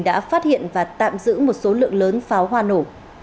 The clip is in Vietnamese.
đã phát hiện và tạm giữ một số lượng lớn pháo hoa nổ